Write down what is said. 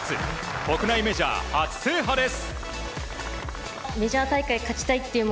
国内メジャー初制覇です。